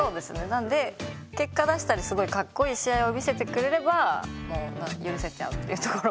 なので結果出したりすごいカッコいい試合を見せてくれればもう許せちゃうっていうところがあるので。